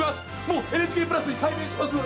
もうＮＨＫプラスに改名します！